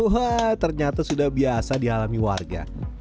wah ternyata sudah biasa di alami warga